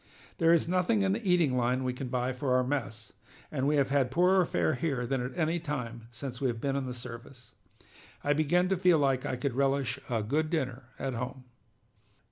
There is nothing in the eating line we can buy for our mess, and we have had poorer fare here than at any time since we have been in the service. I begin to feel like I could relish a good dinner at home!"